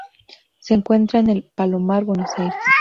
Se encuentra en El Palomar, Buenos Aires.